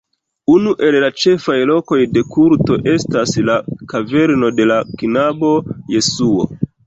Unu el la ĉefaj lokoj de kulto estas la "kaverno de la knabo Jesuo".